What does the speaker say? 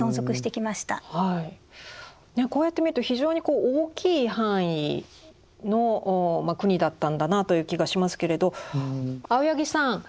こうやって見ると非常に大きい範囲の国だったんだなという気がしますけれど青柳さん